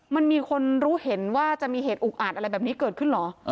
มันมีคนรู้เห็นว่าจะมีเหตุอุกอาจอะไรแบบนี้เกิดขึ้นเหรอ